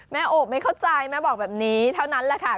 โอบไม่เข้าใจแม่บอกแบบนี้เท่านั้นแหละค่ะ